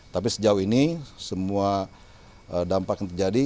tapi sejauh ini semua dampak yang terjadi